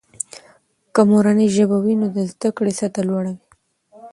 که مورنۍ ژبه وي، نو د زده کړې سطحه لوړه وي.